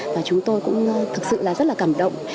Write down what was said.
và chúng tôi cũng thực sự là rất là cảm động